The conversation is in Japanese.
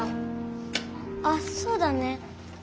あっそうだね。